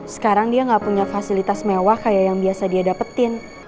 sekarang dia nggak punya fasilitas mewah kayak yang biasa dia dapetin